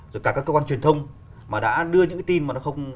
rồi cả các cơ quan truyền thông mà đã đưa những cái tin mà nó không